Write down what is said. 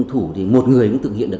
thì một người cũng thực hiện được